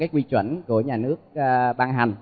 quy chuẩn của nhà nước bằng hành